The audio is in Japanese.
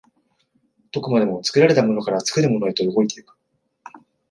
どこまでも作られたものから作るものへと動いて行く。